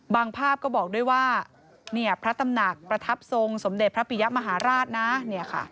ภาพก็บอกด้วยว่าเนี่ยพระตำหนักประทับทรงสมเด็จพระปิยะมหาราชนะเนี่ยค่ะ